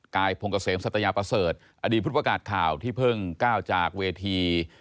กายพงเกษมสัตยาประเสริฐอดีตผู้ประกาศข่าวที่เพิ่งก้าวจากเวที